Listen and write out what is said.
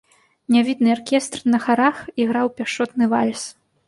Нявідны аркестр на харах іграў пяшчотны вальс.